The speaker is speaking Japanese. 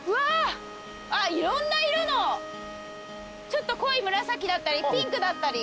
ちょっと濃い紫だったりピンクだったり。